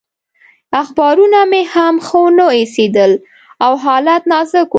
اخبارونه مې هم ښه ونه ایسېدل او حالت نازک و.